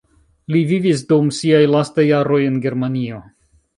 Li vivis dum siaj lastaj jaroj en Germanio.